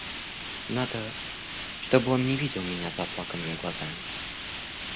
Надо, чтобы он не видел меня с заплаканными глазами.